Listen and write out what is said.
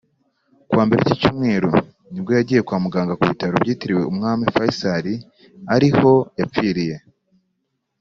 Kuwa mbere w’iki cyumweru ni bwo yagiye kwa muganga ku Bitaro byitiriwe Umwami Fayscal ari ho yapfiriye